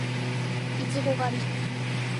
いちご狩り